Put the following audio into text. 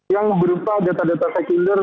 yang berupa data data sekunder